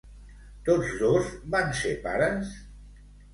Tots dos, van ser pares?